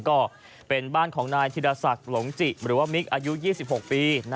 ก็เป็นบ้านของนายธิรศักดิ์หลงจิหรือว่ามิกอายุ๒๖ปี